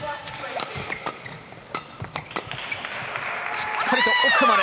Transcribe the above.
しっかりと、奥まで。